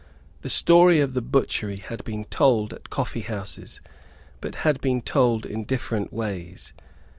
The story of the butchery had been told at coffeehouses, but had been told in different ways.